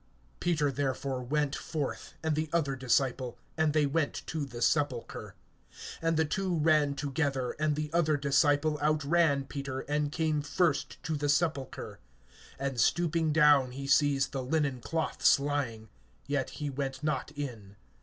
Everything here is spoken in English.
(3)Peter therefore went forth, and the other disciple, and they went to the sepulchre. (4)And the two ran together; and the other disciple outran Peter, and came first to the sepulchre. (5)And stooping down he sees the linen cloths lying; yet he went not in.